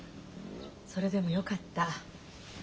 それでもよかった。